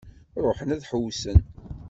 Ruḥen ad ḥewwsen.